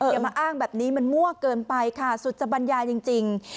อย่ามาอ้างแบบนี้มันมั่วเกินไปค่ะสุจบรรยายจริง